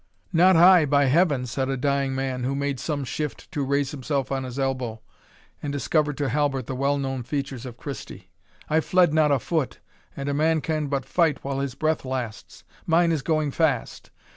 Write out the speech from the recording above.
"Not I, by Heaven!" said a dying man, who made some shift to raise himself on his elbow, and discovered to Halbert the well known features of Christie; "I fled not a foot, and a man can but fight while his breath lasts mine is going fast.